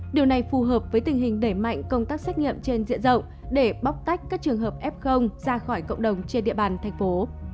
điều này phù hợp với tình hình đẩy mạnh công tác xét nghiệm trên diện rộng để bóc tách các trường hợp f ra khỏi cộng đồng trên địa bàn thành phố